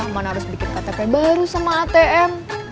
mana harus bikin ktp baru sama atm